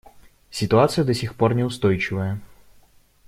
Ситуация до сих пор неустойчивая.